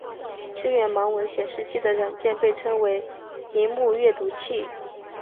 支援盲文显示机的软件被称为萤幕阅读器。